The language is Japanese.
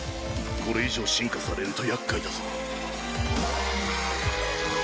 これ以上進化されると厄介だぞ。